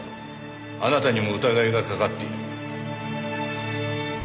あなたにも疑いがかかっている。